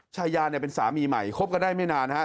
ชายาเป็นสามีใหม่คบกันได้ไม่นานฮะ